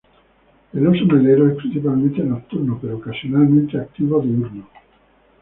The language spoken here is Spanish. El oso melero es principalmente nocturno pero ocasionalmente activo diurno.